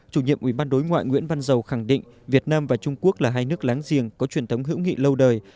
chủ nhiệm ủy ban đối ngoại nguyễn văn dầu khẳng định việt nam và trung quốc là hai nước láng giềng có truyền thống hữu nghị lâu đời